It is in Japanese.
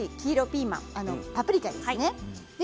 春らしい黄色ピーマン、パプリカですね。